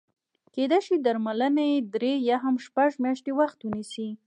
کېدای شي درملنه یې درې یا هم شپږ میاشتې وخت ونیسي.